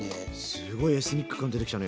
すごいエスニック感出てきたね。